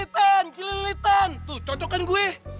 tuh cocok kan gue